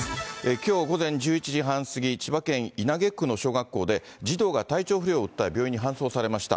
きょう午前１１時半過ぎ、千葉県稲毛区の小学校で、児童が体調不良を訴え、病院に搬送されました。